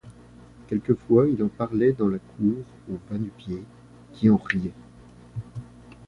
Quelquefois il en parlait dans la cour aux va-nu-pieds, qui en riaient.